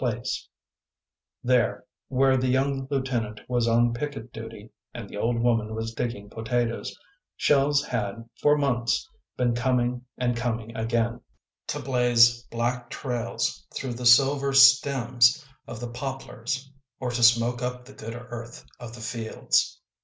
57 Accidentals There, where the young lieutenant was on picket duly and the old woman was digging potatoes, shells had, for months, been coming and coming again, to blaze black trails through the silver stems of the poplars or to smoke up the good earth of the fields.